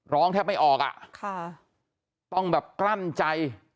แทบไม่ออกอ่ะค่ะต้องแบบกลั้นใจ